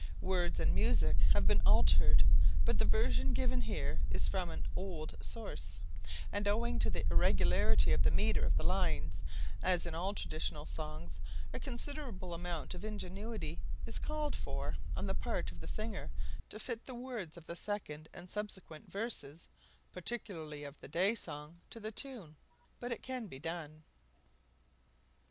Words and music have been altered, but the version given here is from an old source, and, owing to the irregularity of the metre of the lines, as in all traditional songs, a considerable amount of ingenuity is called for on the part of the singer to fit the words of the second and subsequent verses particularly of the Day Song to the tune. But it can be done.